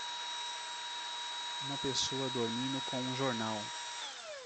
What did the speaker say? Uma pessoa dormindo com um jornal